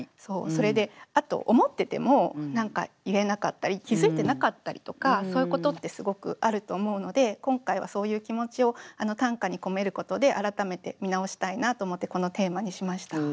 それであと思ってても何か言えなかったり気付いてなかったりとかそういうことってすごくあると思うので今回はそういう気持ちを短歌に込めることで改めて見直したいなと思ってこのテーマにしました。